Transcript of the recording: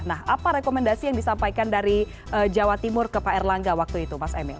nah apa rekomendasi yang disampaikan dari jawa timur ke pak erlangga waktu itu mas emil